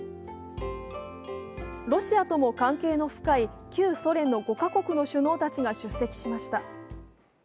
ロシアとも関係の深い旧ソ連の５か国の首脳たちが出席しました。